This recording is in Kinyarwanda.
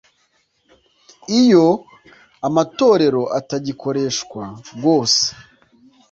Iyo amatorero atagikoreshwa rwose